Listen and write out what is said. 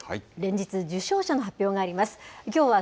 連日、受賞者の発表があります。